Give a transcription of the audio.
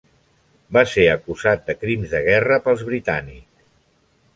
Va ser acusat de crims de guerra pels britànics.